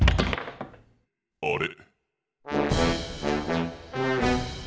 あれ？